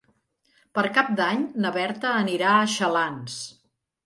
Per Cap d'Any na Berta anirà a Xalans.